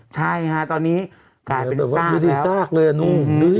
ใช่ฮะตอนนี้กายเป็นสากวิธีสากเลยอ่ะนู่นูอืออือ